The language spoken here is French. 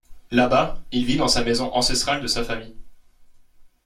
Là-bas, il vit dans sa maison ancestrale de sa famille.